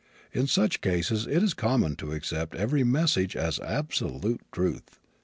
In such cases it is common to accept every message as absolute truth.